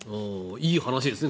いい話ですね